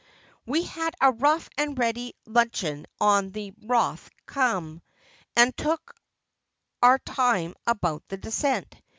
' We had a rough and ready luncheon on the Rothe Kumm, and took our time about the descent.